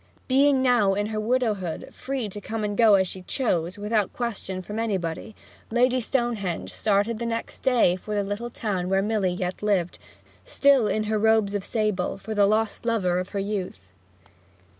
Being now, in her widowhood, free to come and go as she chose, without question from anybody, Lady Stonehenge started next day for the little town where Milly yet lived, still in her robes of sable for the lost lover of her youth.